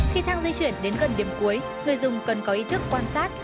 khi thang di chuyển đến gần điểm cuối người dùng cần có ý thức quan sát